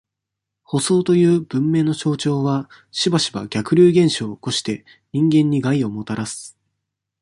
舗装という文明の象徴は、しばしば、逆流現象を起こして、人間に害をもたらす。